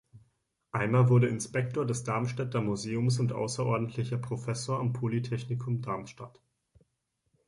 Eimer wurde Inspektor des Darmstädter Museums und außerordentlicher Professor am Polytechnikum Darmstadt.